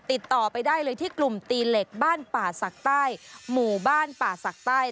ติดต่อไปได้เลยที่กลุ่มตีเหล็กบ้านป่าศักดิ์ใต้หมู่บ้านป่าศักดิ์ใต้